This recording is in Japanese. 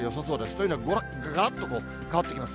というのは、がらっと変わってきます。